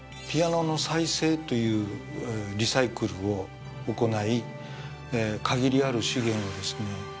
ピアノの再生というリサイクルを行い限りある資源をですね